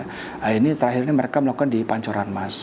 nah ini terakhir ini mereka melakukan di pancoran mas